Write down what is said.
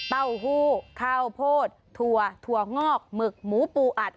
เต้าหู้ข้าวโพดถั่วถั่วงอกหมึกหมูปูอัด